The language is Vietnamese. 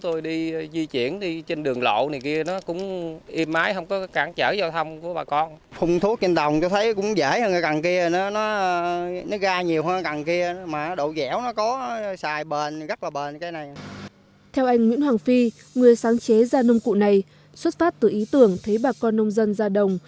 theo anh nguyễn hoàng phi người sáng chế ra nông cụ này xuất phát từ ý tưởng thấy bà con nông dân ra đồng